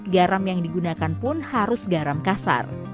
garam yang digunakan pun harus garam kasar